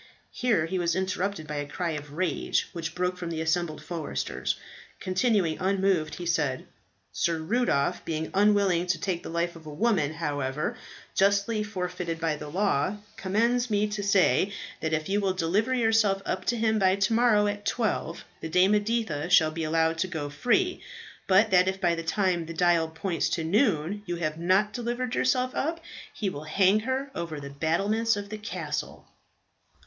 Here he was interrupted by a cry of rage which broke from the assembled foresters. Continuing unmoved, he said, "Sir Rudolph, being unwilling to take the life of a woman, however justly forfeited by the law, commands me to say, that if you will deliver yourself up to him by to morrow at twelve, the Dame Editha shall be allowed to go free. But that if by the time the dial points to noon you have not delivered yourself up, he will hang her over the battlements of the castle."